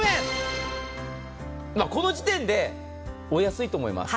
この時点で、お安いと思います。